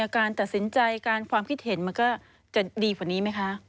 การตัดสินใจการความคิดเห็นมันก็จะดีกว่านี้ไหมคะ